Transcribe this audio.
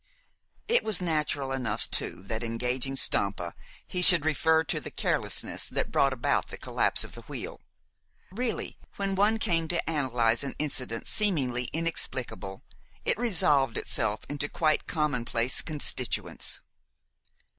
It was natural enough too that in engaging Stampa he should refer to the carelessness that brought about the collapse of the wheel. Really, when one came to analyze an incident seemingly inexplicable, it resolved itself into quite commonplace constituents.